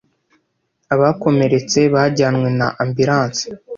Abakomeretse bajyanywe na ambulance.